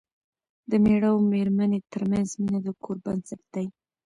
د مېړه او مېرمنې ترمنځ مینه د کور بنسټ دی.